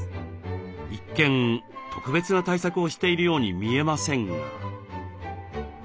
一見特別な対策をしているように見えませんが。